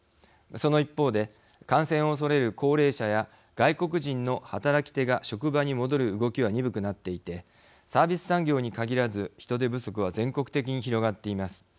その一方で感染を恐れる高齢者や外国人の働き手が職場に戻る動きは鈍くなっていてサービス産業に限らず人手不足は全国的に広がっています。